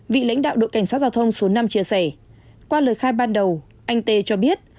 vị lãnh đạo đội cảnh sát giao thông số năm chia sẻ qua lời khai ban đầu anh tê cho biết